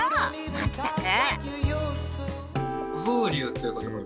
まったく。